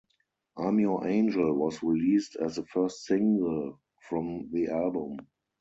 "I'm Your Angel" was released as the first single from the album.